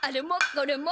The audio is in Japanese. これも！